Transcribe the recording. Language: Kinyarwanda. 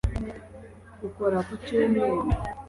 ukora ku cyumweru